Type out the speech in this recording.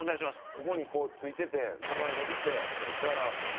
ここにこう付いててそのまま延びてだから。